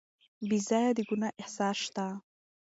بې ځایه د ګناه احساس شته.